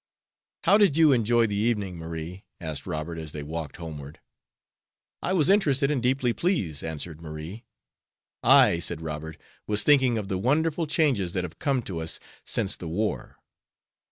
"How did you enjoy the evening, Marie?" asked Robert, as they walked homeward. "I was interested and deeply pleased," answered Marie. "I," said Robert, "was thinking of the wonderful changes that have come to us since the war.